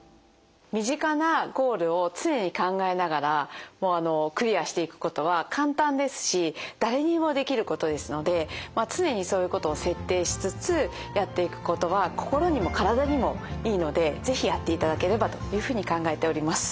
身近なゴールを常に考えながらクリアしていくことは簡単ですし誰にでもできることですので常にそういうことを設定しつつやっていくことは心にも体にもいいので是非やっていただければというふうに考えております。